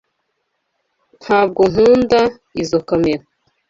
Ntabwo nkunda izoi kamera.